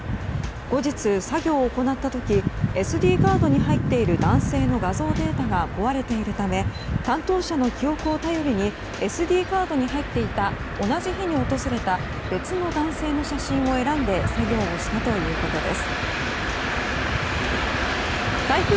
後日、作業を行った時ＳＤカードに入っている男性の画像データが壊れているため担当者の記憶を頼りにＳＤカードに入っていた同じ日に訪れた別の男性の写真を選んで作業をしたということです。